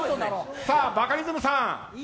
バカリズムさん。